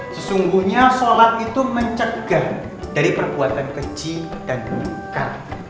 sehingga sholat itu mencegah dari perbuatan keji dan muka